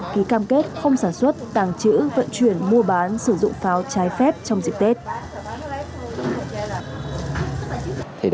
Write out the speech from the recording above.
ký cam kết không sản xuất tàng trữ vận chuyển mua bán sử dụng pháo trái phép trong dịp tết